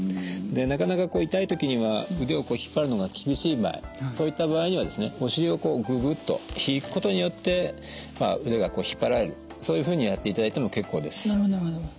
でなかなか痛い時には腕をこう引っ張るのが厳しい場合そういった場合にはですねお尻をこうぐぐっと引くことによって腕が引っ張られるそういうふうにやっていただいても結構です。